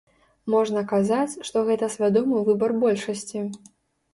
Можна казаць, што гэта свядомы выбар большасці.